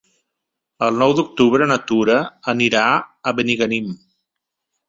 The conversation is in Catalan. El nou d'octubre na Tura anirà a Benigànim.